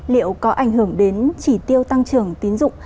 liệu có ảnh hưởng đến chỉ tiêu tăng trưởng tín dụng